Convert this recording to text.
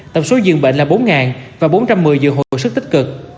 tổng số dường bệnh là bốn và bốn trăm một mươi dường hồi sức tích cực